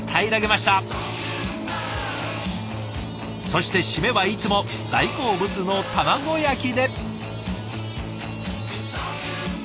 そして締めはいつも大好物の卵焼きで。